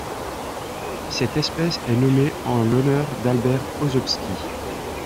Cette espèce est nommée en l'honneur d'Albert Ausobsky.